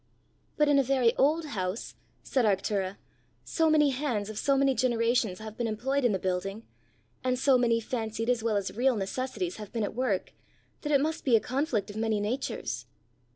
"But in a very old house," said Arctura, "so many hands of so many generations have been employed in the building, and so many fancied as well as real necessities have been at work, that it must be a conflict of many natures."